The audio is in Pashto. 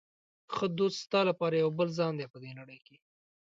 ښه دوست ستا لپاره یو بل ځان دی په دې نړۍ کې.